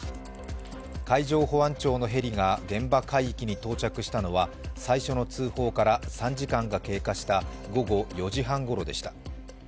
海上保安庁のヘリが現場海域に到着したのは最初の通報から３時間が経過した午後４時半ごろでした。